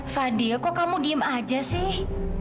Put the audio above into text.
fadil kok kamu diem aja sih